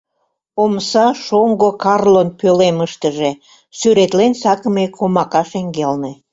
— Омса шоҥго Карлон пӧлемыштыже, сӱретлен сакыме комака шеҥгелне...